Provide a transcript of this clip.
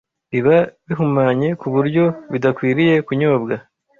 biba bihumanye ku buryo bidakwiriye kunyobwa.